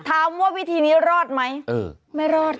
ถามว่าวิธีนี้รอดไหมไม่รอดค่ะ